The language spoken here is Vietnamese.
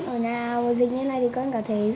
ở nhà dịch như thế này thì con cảm thấy